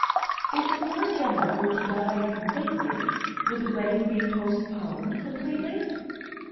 "If the poor General were to die completely, would the wedding be postponed completely?"